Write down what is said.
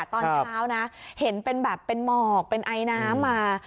ตอนเช้านะเห็นเป็นแบบเป็นหมอกเป็นไอน้ำมา